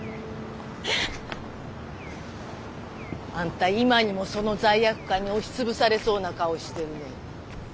あんた今にもその罪悪感に押し潰されそうな顔してるねえ。